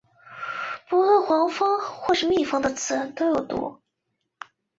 不论是黄蜂或是蜜蜂的刺都有毒。